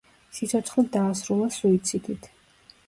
სიცოცხლე დაასრულა სუიციდით.